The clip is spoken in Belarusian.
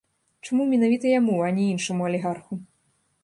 Чаму менавіта яму, а не іншаму алігарху?